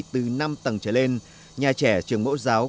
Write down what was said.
từ năm tầng trở lên nhà trẻ trường mẫu giáo